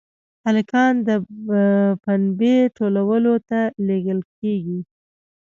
هلکان د پنبې ټولولو ته لېږل کېږي.